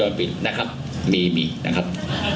ไม่มีในว่างมูลจ้อนผิดนะครับ